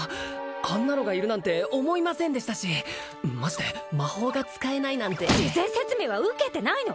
あんなのがいるなんて思いませんでしたしまして魔法が使えないなんて事前説明は受けてないの？